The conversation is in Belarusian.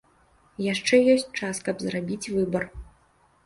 Яшчэ ёсць час, каб зрабіць выбар.